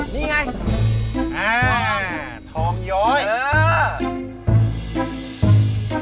นี่ไงอ่าทองย้อยเออ